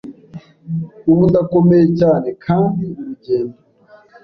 ubu ndakomeye cyane kandi urugendo